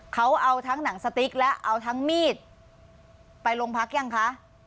เขาเอาทั้งหนังสติ๊กและเอาทั้งมีดไปโรงพักยังคะ